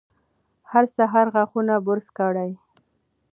هر سهار غاښونه برس کړئ.